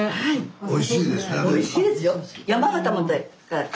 おいしいです？